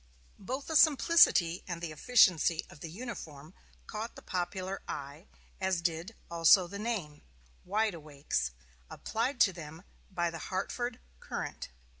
Both the simplicity and the efficiency of the uniform caught the popular eye, as did also the name, "Wide Awakes," applied to them by the "Hartford Courant."